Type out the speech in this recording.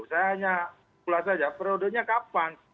saya hanya pulas saja periodenya kapan